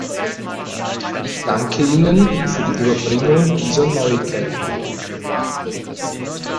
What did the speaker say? Ich danke Ihnen für die Überbringung dieser Neuigkeiten.